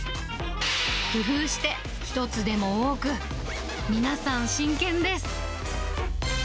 工夫して１つでも多く、皆さん真剣です。